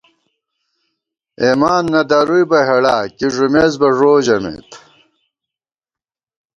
اېمان نہ درُوئی بہ ہېڑا، کی ݫُمېس بہ ݫو ژَمېت